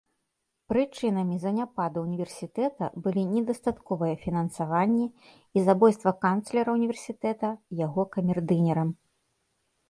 Прычынамі заняпаду ўніверсітэта былі недастатковае фінансаванне і забойствам канцлера ўніверсітэта яго камердынерам.